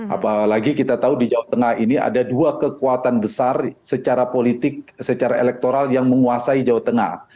apalagi kita tahu di jawa tengah ini ada dua kekuatan besar secara politik secara elektoral yang menguasai jawa tengah